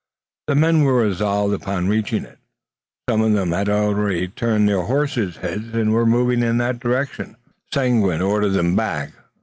The men were resolved upon reaching it. Some of them had already turned their horses' heads and were moving in that direction. Seguin ordered them back.